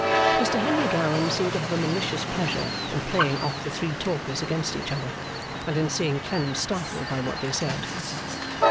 Mr Henry Gowan seemed to have a malicious pleasure in playing off the three talkers against each other, and in seeing Clennam startled by what they said.